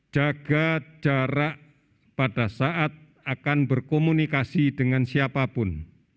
jaga jarak pada saat akan berkomunikasi dengan siapapun